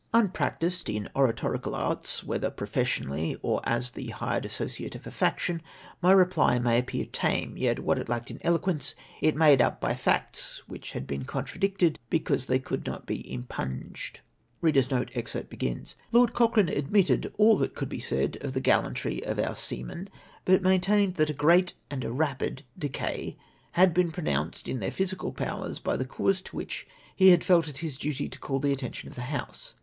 Unpractised in oratorical arts, whether professionally or as the hired advocate of a faction, my reply may appear tame ; yet what it lacked in eloquence it made lip by facts which had been contradicted^ because they could not be imjmgned. " Lord Cociieane admitted all that could be said of the gallantry of our seamen; but maintained that a great and a rapid decay had been produced in their physical powers by the cause to which he had felt it his duty to call the attention of the House.